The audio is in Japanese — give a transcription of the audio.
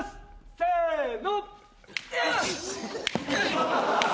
せの。